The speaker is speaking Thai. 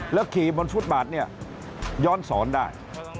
ขี่บนฟุตบาทเนี่ยย้อนสอนได้